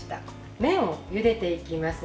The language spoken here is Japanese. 麺をゆでていきます。